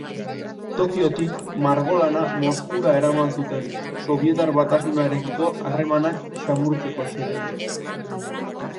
Tokiotik, margolana Moskura eraman zuten, Sobietar Batasunarekiko harremanak samurtzeko xedez.